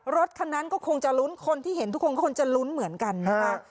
รถคันนั้นก็คงจะลุ้นคนที่เห็นทุกคนก็คงจะลุ้นเหมือนกันนะคะ